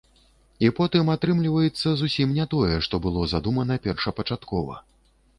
І потым атрымліваецца зусім не тое, што было задумана першапачаткова.